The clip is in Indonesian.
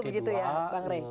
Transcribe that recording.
begitu ya bang rey